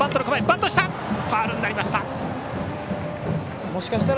バントはファウルになりました。